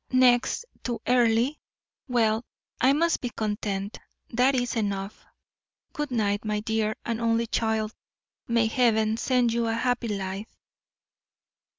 "Next to Earle. Well, I must be content. That is enough. Good night, my dear and only child; may Heaven send you a happy life."